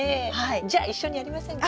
じゃ一緒にやりませんか？